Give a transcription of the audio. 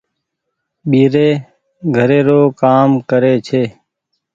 ٻيري گهري رو ڪآ ڪآم ڪري ڇي۔